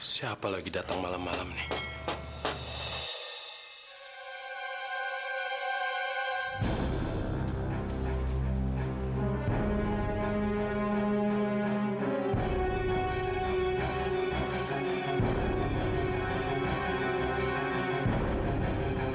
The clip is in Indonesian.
siapa lagi datang malam malam nih